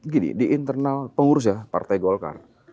gini di internal pengurus ya partai golkar